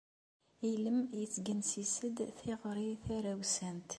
Ilem yettgensis-d tiɣri tarawsant.